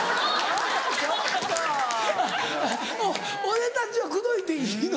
お俺たちは口説いていいの？